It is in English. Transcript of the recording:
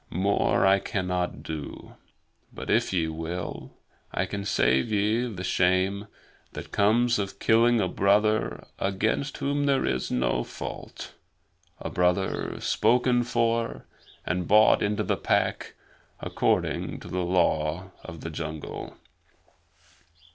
More I cannot do; but if ye will, I can save ye the shame that comes of killing a brother against whom there is no fault a brother spoken for and bought into the Pack according to the Law of the Jungle."